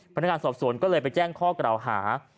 พนักงานสอบสวนก็เลยไปแจ้งข้อกล่าวหา